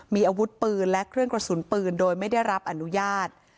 มีอาวุธปืนและเครื่องกระสุนปืนโดยไม่ได้รับอนุญาต